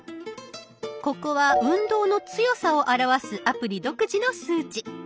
ここは運動の強さを表すアプリ独自の数値。